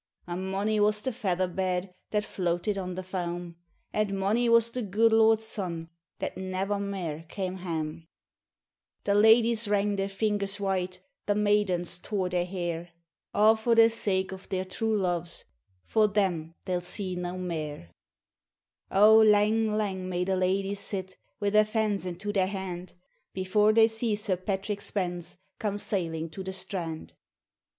And mony was the feather bed That floated on the faeni, And mony was the gude lord's son That never mair came harne. The ladyes wrang their fingers white The maidens tore their hair; j *v&\ \' M : yr K < v? /^^M / 3, "../ ..v ;/;,i<C i. >:: .;V\ RAINBOW GOLD A' for the sake of their true loves For them they'll see na mair. O lang lang may the ladyes sit, Wi' their fans into their hand, Before they see Sir Patrick Spens Come sailing to the strand!